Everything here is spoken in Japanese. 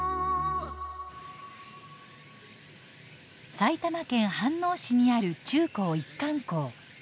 埼玉県飯能市にある中高一貫校。